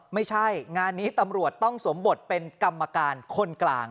ไม่ใช่งานนี้ตำรวจต้องสวมบทเป็นกรรมการคนกลาง